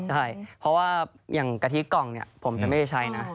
ใช่เพราะว่าอย่างกะทิกล่องเนี่ยผมจะไม่ได้ใช้นะ